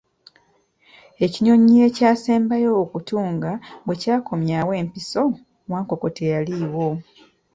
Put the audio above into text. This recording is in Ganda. Ekinnyonyi ekyasembayo okutuunga bwe kyakomyawo empiso, Wankoko teyaliiwo.